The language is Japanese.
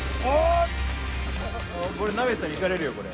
流さんいかれるよ、これ。